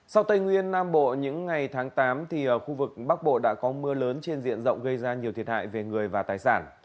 sau tây nguyên nam bộ những ngày tháng tám khu vực bắc bộ đã có mưa lớn trên diện rộng gây ra nhiều thiệt hại về người và tài sản